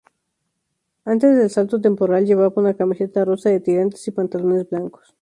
Antes del salto temporal llevaba una camiseta rosa de tirantes y pantalones blancos.